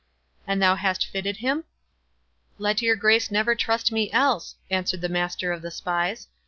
"And thou hast fitted him?" "Let your grace never trust me else," answered the master of the spies.